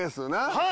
はい。